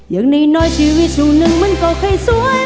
อย่างน้อยชีวิตช่วงหนึ่งมันก็ค่อยสวย